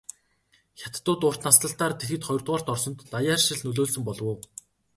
Хятадууд урт наслалтаар дэлхийд хоёрдугаарт орсонд даяаршил нөлөөлсөн болов уу?